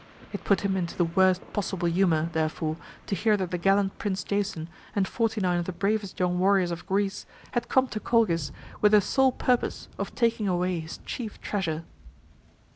It put him into the worst possible humor, therefore, to hear that the gallant Prince Jason and forty nine of the bravest young warriors of Greece had come to Colchis with the sole purpose of taking away his chief treasure.